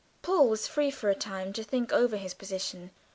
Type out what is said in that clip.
Paul was free for a time to think over his position.